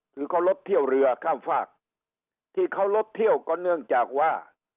คือเขาลดเที่ยวเรือข้ามฝากที่เขาลดเที่ยวก็เนื่องจากว่า